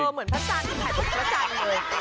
เหมือนพระจันทร์ที่ถ่ายทุกพระจันทร์เลย